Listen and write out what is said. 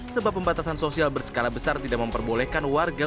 sebab pembatasan sosial berskala besar tidak memperbolehkan warga